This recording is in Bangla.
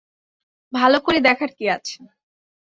ভালো করে দেখার কী আছে?